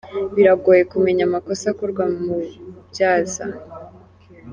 Biragoye kumenya amakosa akorwa mu bubyaza.